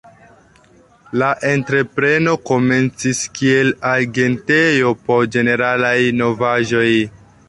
La entrepreno komencis kiel agentejo por ĝeneralaj novaĵoj.